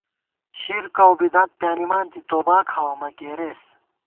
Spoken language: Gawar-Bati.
شِرک اؤبدعت پیانِمانتی توباکھاوَہ مہ کېرېس